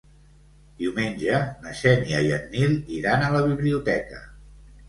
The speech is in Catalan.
Diumenge na Xènia i en Nil iran a la biblioteca.